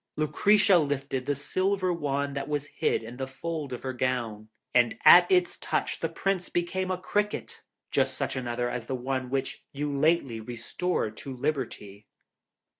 Lucretia lifted the silver wand that was hid in the fold of her gown, and at its touch the Prince became a cricket, just such another as the one which you lately restored to liberty.